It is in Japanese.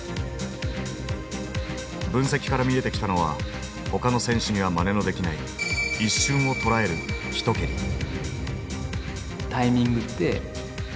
分析から見えてきたのはほかの選手にはまねのできない一瞬をとらえる一蹴り。